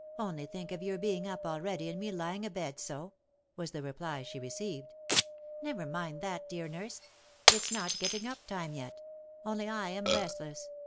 Only think of your being up already and me lying abed so !" was the reply she received. " Never mind that, dear nurse. It is not getting up lime yet — only I am restless.